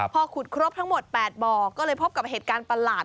พอขุดครบทั้งหมด๘บ่อก็เลยพบกับเหตุการณ์ประหลาด